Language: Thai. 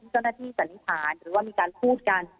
เฉ็นน้าที่จะไปผ่านคือว่ามีการพูดกัน